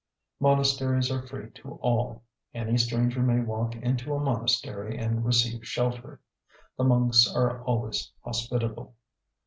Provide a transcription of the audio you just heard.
Monasteries are free to all. Any stranger may walk into a monastery and receive shelter. The monks are always hospitable.